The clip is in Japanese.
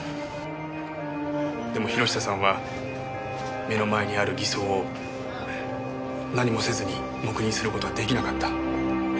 でも博久さんは目の前にある偽装を何もせずに黙認する事は出来なかった。